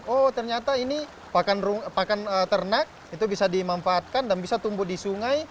oh ternyata ini pakan ternak itu bisa dimanfaatkan dan bisa tumbuh di sungai